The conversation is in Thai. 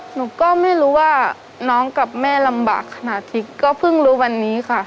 หนูก็ไม่รู้ว่าน้องกับแม่ลำบากขนาดที่ก็เพิ่งรู้วันนี้ค่ะ